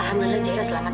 alhamdulillah zairah selamat